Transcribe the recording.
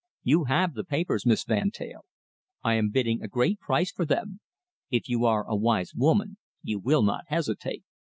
You have the papers, Miss Van Teyl. I am bidding a great price for them. If you are a wise woman, you will not hesitate."